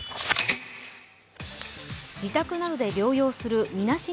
自宅などで療養するみなし